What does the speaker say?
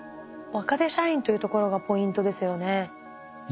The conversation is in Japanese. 若手社員というところがポイントですよね。